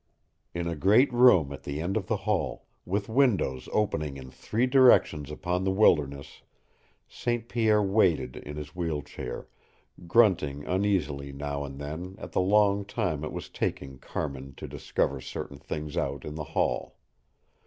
In a great room at the end of the hall, with windows opening in three directions upon the wilderness, St. Pierre waited in his wheel chair, grunting uneasily now and then at the long time it was taking Carmin to discover certain things out in the hall.